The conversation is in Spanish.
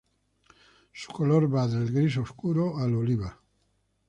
Su color es gris oscuro a oliva.